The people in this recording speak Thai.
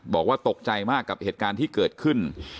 บอกว่าตกใจมากกับเหตุการณ์ที่เกิดขึ้น